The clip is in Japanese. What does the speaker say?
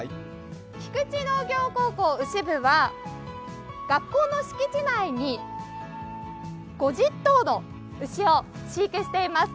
菊池農業高校・牛部は学校の敷地内に５０頭の牛を飼育しています。